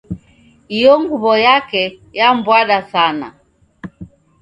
Iyo nguwo yake yambwada sana